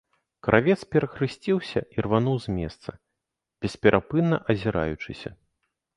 Кравец перахрысціўся і рвануў з месца, бесперапынна азіраючыся.